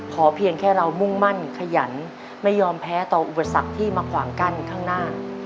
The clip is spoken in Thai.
ขอเพียงแค่เรามุ่งมั่นขยันไม่ยอมแพ้ต่ออุบัติศักดิ์ที่มะขวางกันข้างหน้า